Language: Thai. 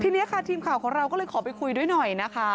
ทีนี้ค่ะทีมข่าวของเราก็เลยขอไปคุยด้วยหน่อยนะคะ